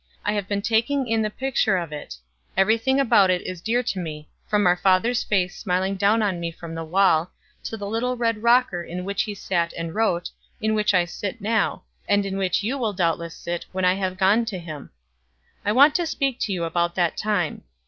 I have been taking in the picture of it; every thing about it is dear to me, from our father's face smiling down on me from the wall, to the little red rocker in which he sat and wrote, in which I sit now, and in which you will doubtless sit, when I have gone to him. I want to speak to you about that time.